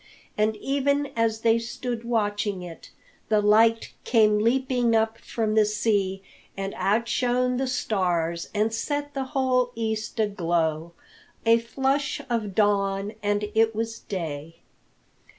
And even as they stood watching it, the light came leaping up from the sea, and outshone the stars, and set the whole east aglow. A flush of dawn, and it was day.